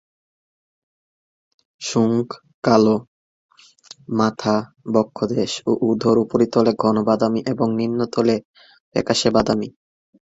শুঙ্গ কালো; মাথা, বক্ষদেশ ও উদর উপরিতলে ঘন বাদামি এবং নিম্নতলে ফ্যাকাশে বাদামি।